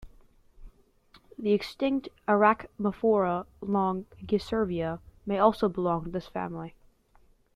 The extinct "Archaeamphora longicervia" may also belong to this family.